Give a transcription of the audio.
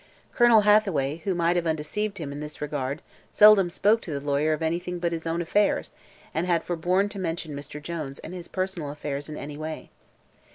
Colonel Hathaway, who might have undeceived him in this regard, seldom spoke to the lawyer of anything but his own affairs and had forborne to mention Mr. Jones and his personal affairs in any way.